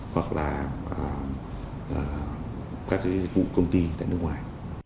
hoặc là các cái dịch vụ công ty tại nước ngoài